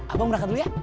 abang berangkat dulu ya